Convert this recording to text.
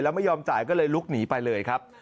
แล้วไม่ยอมจ่ายก็เลยลุกหนีไปเลยครับ